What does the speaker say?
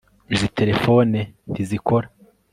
Izi terefone ntizikora